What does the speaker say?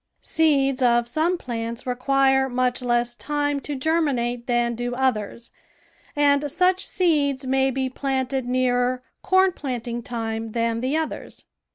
Seeds of some plants require much less time to germinate than do others, and such seeds may be planted nearer corn planting time than the others.